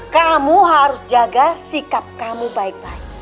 kamu harus jaga sikap kamu baik baik